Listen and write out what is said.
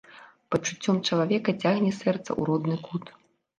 Пачуццём чалавека цягне сэрца ў родны кут.